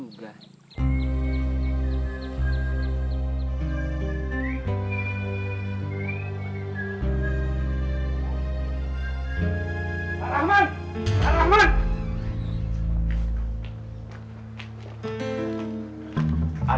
pak rahman pak rahman